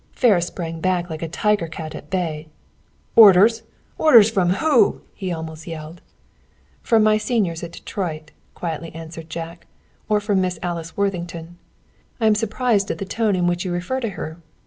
Ferris sprang back like a tiger cat at bay. "Orders! Orders from whom?" he almost yelled. "From my seniors at Detroit," quietly answered Jack, "or from Miss Alice Worthington. I am surprised at the tone in which you refer to her!